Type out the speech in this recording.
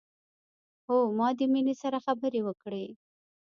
هو ما د مينې سره خبرې وکړې